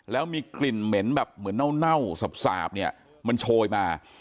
แล้วมีกลิ่นเหม็นแบบเหมือนเน่าสาบเนี่ยมันโชยมา